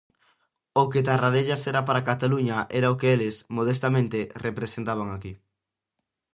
O que Tarradellas era para Cataluña era o que eles, modestamente, representaban aquí.